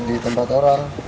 di tempat orang